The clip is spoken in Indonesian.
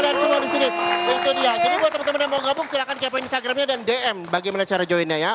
jadi buat temen temen yang mau gabung silahkan kepein instagramnya dan dm bagaimana cara joinnya ya